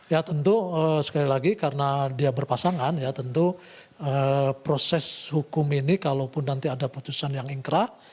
ya tentu sekali lagi karena dia berpasangan ya tentu proses hukum ini kalaupun nanti ada putusan yang ingkrah